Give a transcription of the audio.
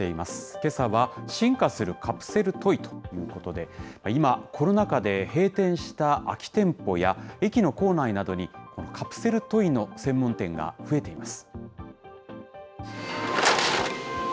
けさは、進化するカプセルトイということで、今、コロナ禍で閉店した空き店舗や、駅の構内などに、カプセルトイの専門店が増えています。